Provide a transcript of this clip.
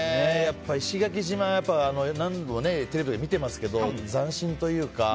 石垣島は何度もテレビで見ていますけど斬新というか。